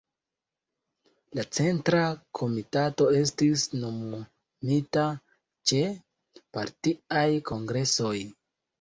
La Centra Komitato estis nomumita ĉe partiaj kongresoj.